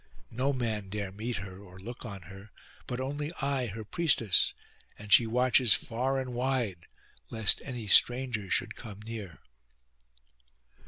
No man dare meet her or look on her, but only I her priestess, and she watches far and wide lest any stranger should come near.